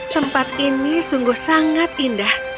tempat ini sungguh sangat indah